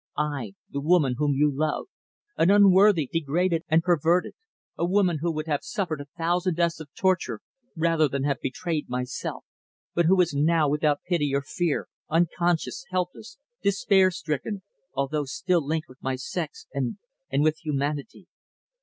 I, the woman whom you love, am unworthy, degraded and perverted, a woman who would have suffered a thousand deaths of torture rather than have betrayed myself, but who is now without pity or fear, unconscious, helpless, despair stricken, although still linked with my sex and with humanity.